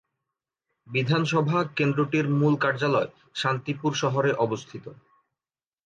বিধানসভা কেন্দ্রটির মূল কার্যালয় শান্তিপুর শহরে অবস্থিত।